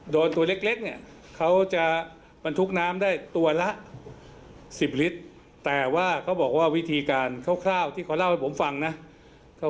โดรนตัวเล็กเนี่ยมันทุกข์ได้ตัวละ๑๐ลิตเต่ว่าเขาบอกว่าวิธีการข่าวที่เค้าเล่าให้ผมฟังนะ